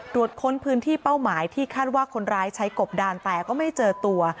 ค้นพื้นที่เป้าหมายที่คาดว่าคนร้ายใช้กบดานแต่ก็ไม่เจอตัว